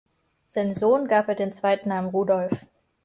Seinem Sohn gab er den Zweitnamen Rudolf.